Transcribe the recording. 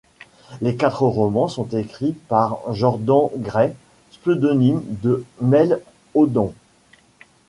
Les quatre romans sont écrits par Jordan Gray, pseudonyme de Mel Odom.